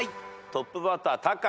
トップバッタータカ。